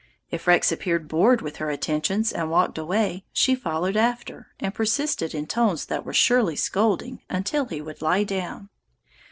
If Rex appeared bored with her attentions and walked away, she followed after, and persisted in tones that were surely scolding until he would lie down.